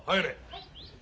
はい。